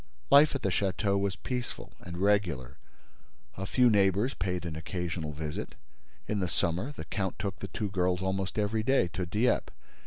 Life at the château was peaceful and regular. A few neighbors paid an occasional visit. In the summer, the count took the two girls almost every day to Dieppe.